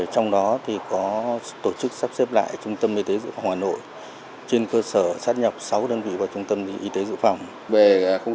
trong đó có tổ chức sắp xếp lại trung tâm y tế dự phòng hà nội trên cơ sở sát nhập sáu đơn vị vào trung tâm y tế dự phòng